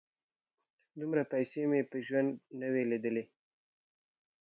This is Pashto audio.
_دومره پيسې مې په ژوند نه وې لېدلې.